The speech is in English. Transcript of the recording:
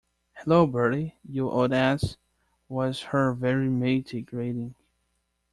"Hallo, Bertie, you old ass," was her very matey greeting.